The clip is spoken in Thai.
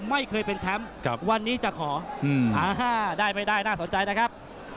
ไม่เคยเป็นแชมป์วันนี้จะขอ๕ได้ไม่ได้น่าสนใจนะครับ